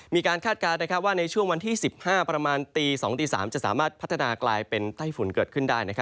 คาดการณ์ว่าในช่วงวันที่๑๕ประมาณตี๒ตี๓จะสามารถพัฒนากลายเป็นไต้ฝุ่นเกิดขึ้นได้